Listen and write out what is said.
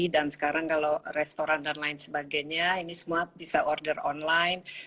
dan sekarang kalau restoran dan lain sebagainya ini semua bisa order online